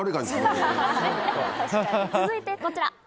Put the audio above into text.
続いてこちら。